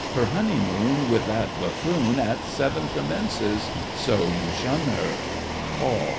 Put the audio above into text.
Her honeymoon With that buffoon At seven commences, so you shun her! ALL.